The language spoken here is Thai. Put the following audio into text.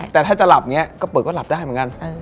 แต่ถ้าจะหลับอย่างนี้ก็เปิดก็หลับได้เหมือนกัน